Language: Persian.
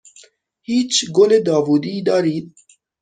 هیچ گل داوودی دارید؟